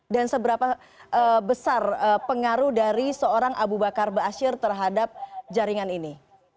dan seberapa besar pengaruh dari seorang abu bakar basir terhadap jaringan ini